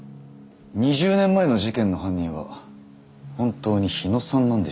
２０年前の事件の犯人は本当に日野さんなんでしょうか。